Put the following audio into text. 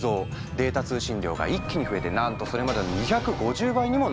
データ通信量が一気に増えてなんとそれまでの２５０倍にもなっていた。